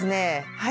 はい。